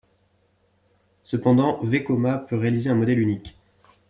Cependant, Vekoma peut réaliser un modèle unique.